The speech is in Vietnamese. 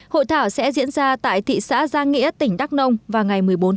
hội thảo sẽ diễn ra tại thị xã giang nghĩa tỉnh đắk nông vào ngày một mươi bốn tháng năm